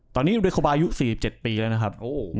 ตอนนี้เดโคบาอายุ๔๗ปีแล้วนะครับ